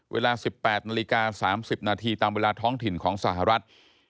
เวลา๑๘นาฬิกา๓๐นาทีตามเวลาท้องถิ่นของสหรัฐ